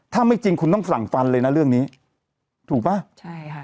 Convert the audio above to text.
ถ้าไม่จริงคุณต้องสั่งฟันเลยนะเรื่องนี้ถูกป่ะใช่ค่ะ